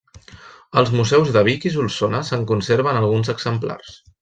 Als museus de Vic i Solsona se'n conserven alguns exemplars.